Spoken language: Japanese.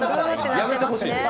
やめてほしい。